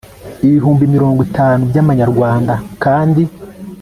ibihumbi mirongo itanu FRW kandi